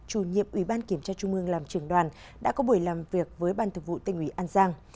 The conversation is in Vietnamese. chủ nhiệm ủy ban kiểm tra trung mương làm trưởng đoàn đã có buổi làm việc với ban thực vụ tây nguyễn an giang